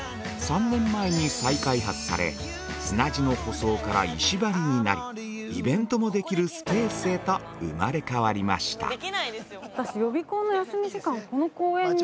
３年前に再開発され砂地の舗装から石張りになりイベントもできるスペースへと生まれ変わりました。